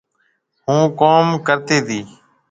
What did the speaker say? هُوم ڪوم ڪرتي تي